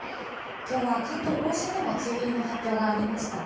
きょうは関東甲信でも梅雨入りの発表がありましたね。